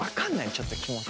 ちょっと気持ち。